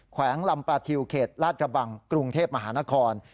แขวงลำประทิวเขตลาดกระบังกรุงเทพมหานคร